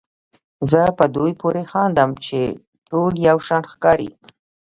زه په دوی پورې خاندم چې ټول یو شان ښکاري.